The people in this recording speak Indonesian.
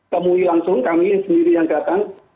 temui langsung kami sendiri yang datang